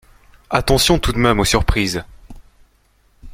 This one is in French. Attention tout de même aux surprises.